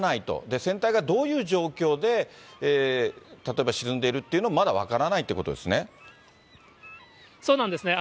で、船体がどういう状況で、例えば沈んでいるっていうのも、まだ分からないっていうことですそうなんですね。